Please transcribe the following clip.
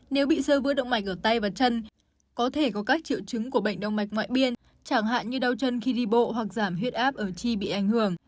nếu bị rơi bứa động mạch ở tay và chân có thể có các triệu chứng của bệnh đông mạch ngoại biên chẳng hạn như đau chân khi đi bộ hoặc giảm huyết áp ở chi bị ảnh hưởng